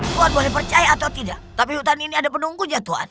tuan boleh percaya atau tidak tapi hutan ini ada penunggunya tuan